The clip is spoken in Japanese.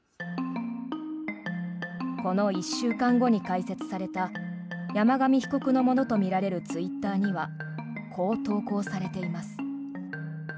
この１週間後に開設された山上被告のものとみられるツイッターにはこう投稿されています。